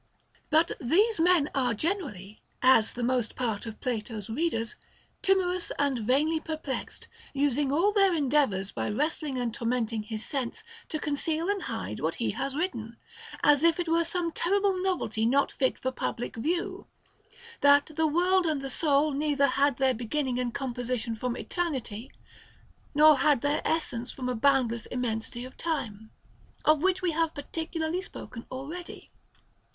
4. But these men are generally, as the most part of Plato's readers, timorous and vainly perplexed, using all their endeavors by wresting and tormenting his sense to 330 OF THE PROCREATION OF THE SOUL. conceal and hide what he has written, as if it were some terrible novelty not fit for public view, that the world and the soul neither had their beginning and composition from eternity, nor had their essence from a boundless immensity of time, — of which we have particularly spoken already.